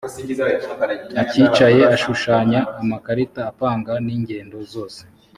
acyicaye ashushanya amakarita apanga n’ingendo zose